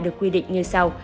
được quy định như sau